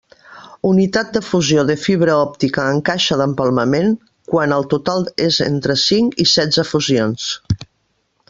Unitat de fusió de fibra òptica en caixa d'empalmament quan el total és entre cinc i setze fusions.